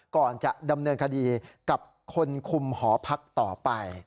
ก่อนจะดำเนินคดีกับคนคุมหอพักต่อไป